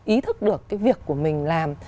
ý thức được cái việc của mình làm